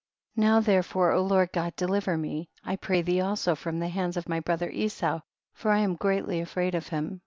21. Now therefore Lord God deliver me, I pray thee, also from the hands of my brother Esau, for I am greatly afraid of him.